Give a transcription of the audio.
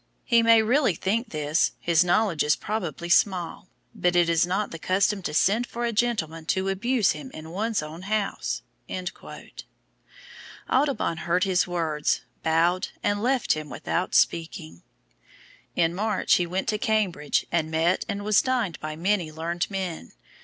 "He may really think this, his knowledge is probably small; but it is not the custom to send for a gentleman to abuse him in one's own house." Audubon heard his words, bowed and left him without speaking. In March he went to Cambridge and met and was dined by many learned men.